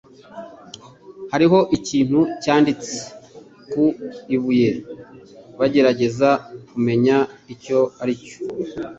Hariho ikintu cyanditse ku ibuye, bagerageza kumenya icyo aricyo